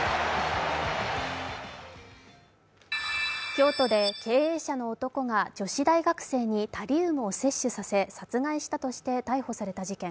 京都で経営者の男が女子大学生にタリウムを摂取させ殺害したとして逮捕された事件。